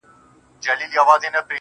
په يو خـمـار په يــو نـسه كــي ژونــدون.